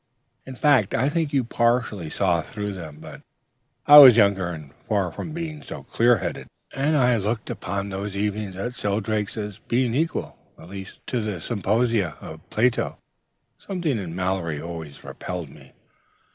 In fact, I think you partially saw through them then. But I was younger, and far from being so clear headed, and I looked upon those evenings at Shelldrake's as being equal, at least, to the symposia of Plato. Something in Mallory always repelled me.